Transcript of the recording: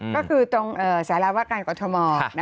ก็คือตรงสารวการกรทม